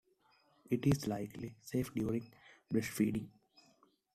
It is likely safe during breastfeeding.